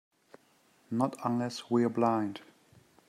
Not unless we're blind.